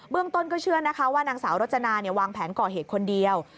เรื่องต้นก็เชื่อนะคะว่านางสาวรจนาวางแผนก่อเหตุคนเดียว